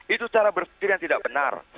itu secara bersekir yang tidak benar